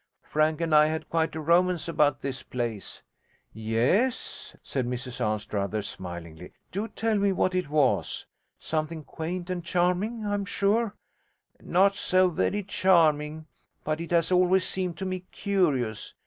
Frank and I had quite a romance about this place.' 'Yes?' said Mrs Anstruther smilingly; 'do tell me what it was. Something quaint and charming, I'm sure.' 'Not so very charming, but it has always seemed to me curious.